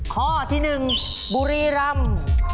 ข้อที่๑บุรีรำ